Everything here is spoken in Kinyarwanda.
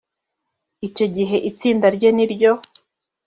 icyo gihe itsinda rye ni ryo